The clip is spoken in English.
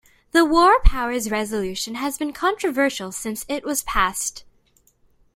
The War Powers Resolution has been controversial since it was passed.